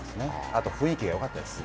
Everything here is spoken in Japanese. あと雰囲気がよかったです。